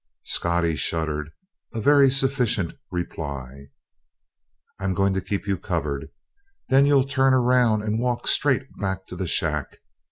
Scottie shuddered a very sufficient reply. "I'm going to keep you covered. Then you'll turn around and walk straight back to the shack.